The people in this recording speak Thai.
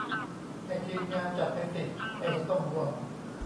ให้ ทีมงาน จัดไปสิ ไม่เห็นต้องห่วง